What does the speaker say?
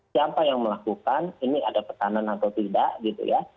siapa yang melakukan ini ada tekanan atau tidak gitu ya